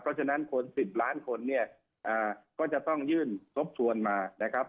เพราะฉะนั้นคน๑๐ล้านคนเนี่ยก็จะต้องยื่นทบทวนมานะครับ